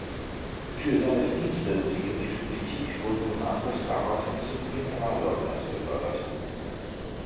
Für seine Verdienste um die griechische Politik wurde Gonatas daraufhin zum Generalleutnant befördert.